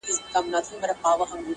• یخه سایه په دوبي ژمي کي لمبه یمه زه,